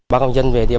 bác công dân về địa bàn